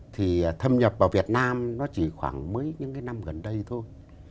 thì thâm nhập vào việt nam nó chỉ khoảng mấy những cái năm gần đây thôi